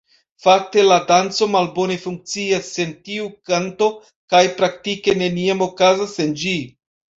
Fakte la danco malbone funkcias sen tiu kanto, kaj praktike neniam okazas sen ĝi.